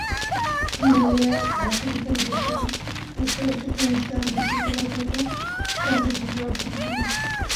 রিনালিয়া রাষ্ট্রবিজ্ঞান বিষয়ে যুক্তরাষ্ট্রের প্রিন্সটন বিশ্ববিদ্যালয় থেকে স্নাতক ডিগ্রি অর্জন করেন।